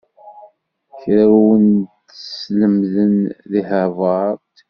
Kra ur wen-t-sslemden deg Havard?